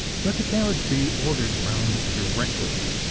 "Let the carriage be ordered round directly.